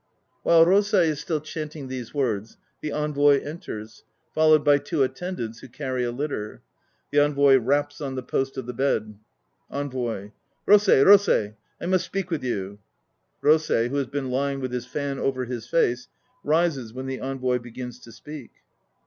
(While ROSEI is still chanting these words, the ENVOY enters, followed by two ATTENDANTS who carry a litter. The ENVOY raps on the post of the bed.) ENVOY. Rosfei, Rosei ! I must speak with you. fROSEI, who has been lying with his fan over his face, rises when the ENVOY begins to speak.)